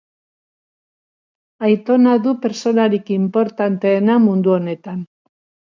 Aitona du pertsonarik inportanteena mundu honetan.